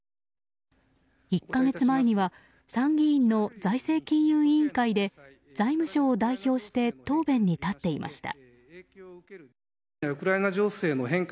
１か月前には参議院の財政金融委員会で財務省を代表して答弁に立っていました。